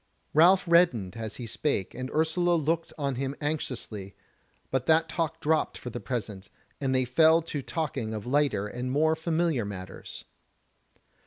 Ralph reddened as he spake, and Ursula looked on him anxiously, but that talk dropped for the present, and they fell to talking of lighter and more familiar matters.